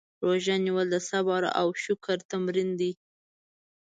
روژه نیول د صبر او شکر تمرین دی.